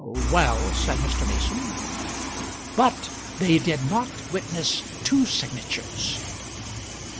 "Well," said Mr. Mason. "But they did not witness two signatures."